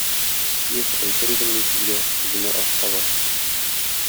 Их, әйтер идем мин сезгә, үземә аз кала!